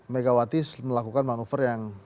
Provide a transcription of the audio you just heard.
megawati melakukan manuver yang